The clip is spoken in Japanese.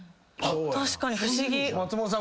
確かに不思議。